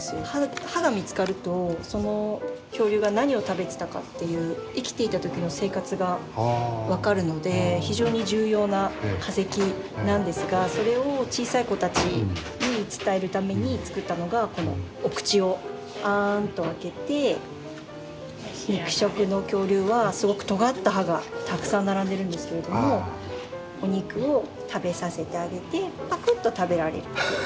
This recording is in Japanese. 歯が見つかるとその恐竜が何を食べてたかという生きていた時の生活が分かるので非常に重要な化石なんですがそれを小さい子たちに伝えるために作ったのがこのお口をあんと開けて肉食の恐竜はすごくとがった歯がたくさん並んでるんですけれどもお肉を食べさせてあげてぱくっと食べられる。